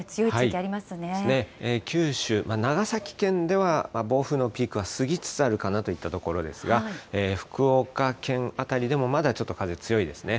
九州、長崎県では暴風のピークは過ぎつつあるかなといったところですが、福岡県辺りでも、まだちょっと風強いですね。